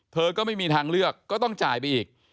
เธอก็ไม่มีทางเลือกก็ต้องจ่ายไปอีก